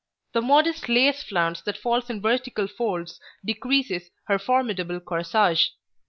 The modest lace flounce that falls in vertical folds decreases her formidable corsage.